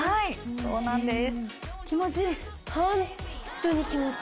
そうなんです。